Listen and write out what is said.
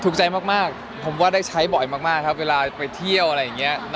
ถูกใจมากผมว่าได้ใช้บ่อยมากครับเวลาไปเที่ยวอะไรอย่างนี้